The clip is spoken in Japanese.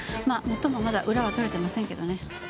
まあもっともまだ裏は取れてませんけどね。